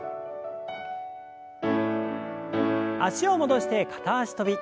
脚を戻して片脚跳び。